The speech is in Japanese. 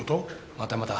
またまた。